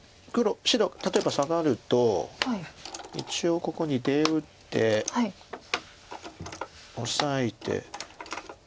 例えばサガると一応ここに出打ってオサえて。